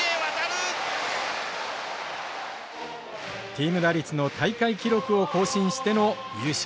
チーム打率の大会記録を更新しての優勝。